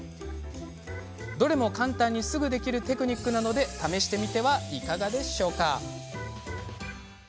どれも簡単にすぐできるテクニックなので試してみてはいかがでしょうか。